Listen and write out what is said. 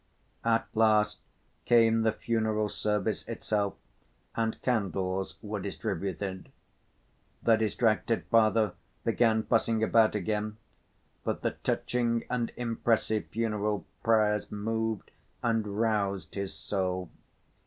At last came the funeral service itself and candles were distributed. The distracted father began fussing about again, but the touching and impressive funeral prayers moved and roused his soul.